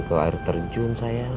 ke air terjun sayang